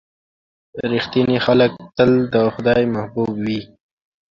• رښتیني خلک تل د خدای محبوب وي.